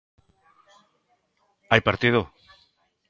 Hai partido?